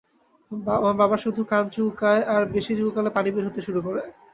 আমার বাবার শুধু কান চুলকায় আর বেশি চুলকালে পানি বের হতে শুরু করে।